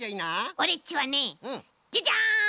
オレっちはねジャジャン！